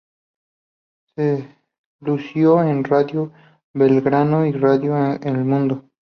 Se lució en Radio Belgrano y Radio El Mundo.